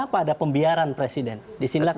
kenapa ada pembiayaan presiden disinilah kita